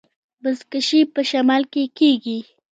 بزکشي په شمال کې کیږي